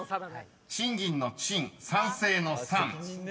［賃金の「賃」賛成の「賛」］